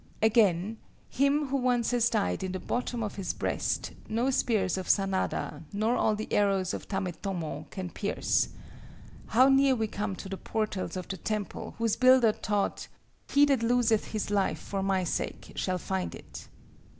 Again—"Him who once has died in the bottom of his breast, no spears of Sanada nor all the arrows of Tametomo can pierce." How near we come to the portals of the temple whose Builder taught "he that loseth his life for my sake shall find it!"